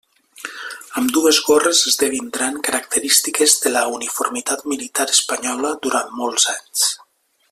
Ambdues gorres esdevindran característiques de la uniformitat militar espanyola durant molts anys.